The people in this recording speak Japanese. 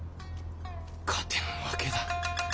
勝てんわけだ。